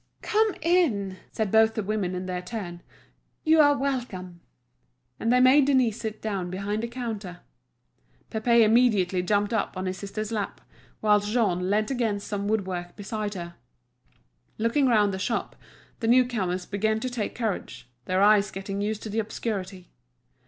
"Come in," said both the women in their turn; "you are welcome." And they made Denise sit down behind a counter. Pépé immediately jumped up on his sister's lap, whilst Jean leant against some woodwork beside her. Looking round the shop the new comers began to take courage, their eyes getting used to the obscurity.